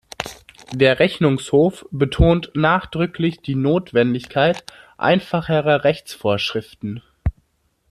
Der Rechnungshof betont nachdrücklich die Notwendigkeit einfacherer Rechtsvorschriften.